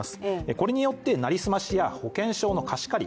これによって、なりすましや保険証の貸し借り